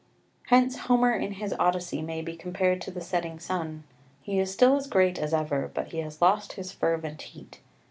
Hence Homer in his Odyssey may be compared to the setting sun: he is still as great as ever, but he has lost his fervent heat.